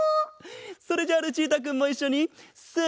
それじゃあルチータくんもいっしょにせの。